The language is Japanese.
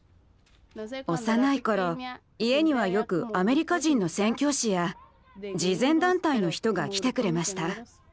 幼いころ家にはよくアメリカ人の宣教師や慈善団体の人が来てくれました。